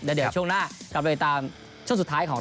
เดี๋ยวช่วงหน้ากลับไปตามช่วงสุดท้ายของ